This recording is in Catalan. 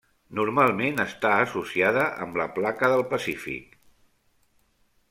Normalment està associada amb la placa del Pacífic.